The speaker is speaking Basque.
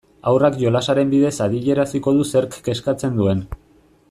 Haurrak jolasaren bidez adieraziko du zerk kezkatzen duen.